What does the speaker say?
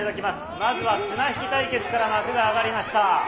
まずは綱引き対決から幕が上がりました。